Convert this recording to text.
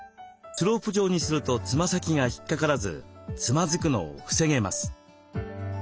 スロープ状にするとつま先が引っかからずつまずくのを防げます。